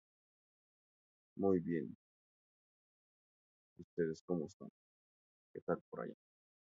En su anuncio el club destacó su contundencia y experiencia.